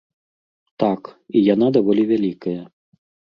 Так, і яна даволі вялікая.